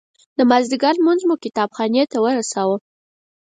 د مازدیګر لمونځ مو د کتاب خانې ته ورساوه.